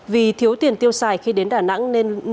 vì thiếu tiền tiêu xài khi đến đà nẵng